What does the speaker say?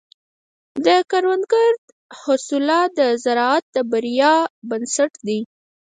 د کروندګر حوصله د زراعت د بریا بنسټ دی.